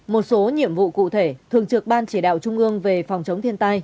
một số nhiệm vụ cụ thể thường trực ban chỉ đạo trung ương về phòng chống thiên tai